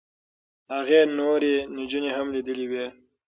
هغې نورې نجونې هم لیدلې وې.